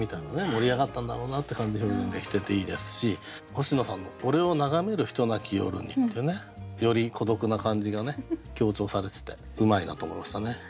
盛り上がったんだろうなって感じ表現できてていいですし星野さんの「俺を眺める人なき夜に」ってねより孤独な感じが強調されててうまいなと思いましたね。